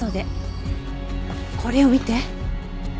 これを見て。